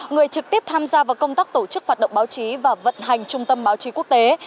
người trực tiếp tham gia vào công tác tổ chức hoạt động báo chí và vận hành trung tâm báo chí quốc tế